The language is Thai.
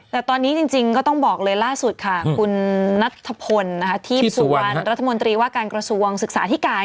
แต่ตอนนี้จริงก็ต้องบอกเลยล่าสุดค่ะคุณนัทธพลทีพสุวรรณรัฐมนตรีว่าการกระทรวงศึกษาธิการ